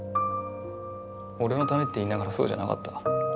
俺のためって言いながらそうじゃなかった。